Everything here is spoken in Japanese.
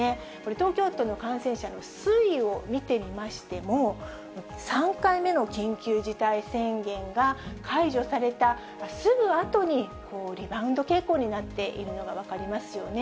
東京都の感染者の推移を見てみましても、３回目の緊急事態宣言が解除されたすぐあとに、リバウンド傾向になっているのが分かりますよね。